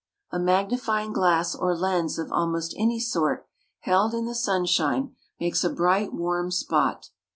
A magnifying glass or lens of almost any sort held in the sunshine makes a bright, warm spot.